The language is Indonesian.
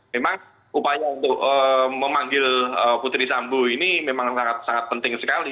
memang upaya untuk memanggil putri sambo ini memang sangat sangat penting sekali